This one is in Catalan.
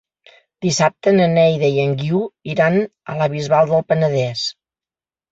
Dissabte na Neida i en Guiu iran a la Bisbal del Penedès.